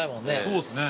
そうですね。